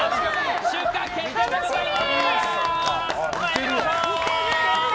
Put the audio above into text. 出荷決定でございます！